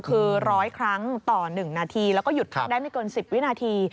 คือ๑๐๐ครั้งต่อ๑นาทีแล้วก็หยุดพักได้ไม่เกิน๑๐วินาที